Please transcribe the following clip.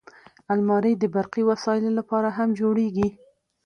الماري د برقي وسایلو لپاره هم جوړیږي